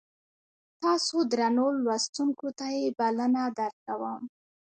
تاسو درنو لوستونکو ته یې بلنه درکوم.